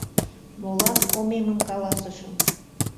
Молан омемым каласышым?!